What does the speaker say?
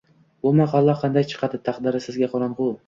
Bu maqola qanday chiqadi, taqdiri sizga qorong‘u.